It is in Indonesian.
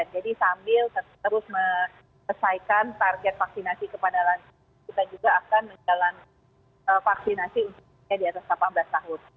jadi sambil terus menyesuaikan target vaksinasi kepada lansia kita juga akan menjalankan vaksinasi di atas delapan belas tahun